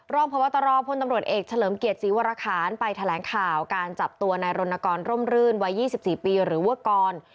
รองพบตรพลตำรวจเอกเฉลิมเกียรติศรีวรคารไปแถลงข่าวการจับตัวนายรณกรร่มรื่นวัย๒๔ปีหรือว่ากร